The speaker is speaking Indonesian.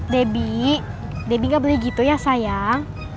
debbie debbie gak boleh gitu ya sayang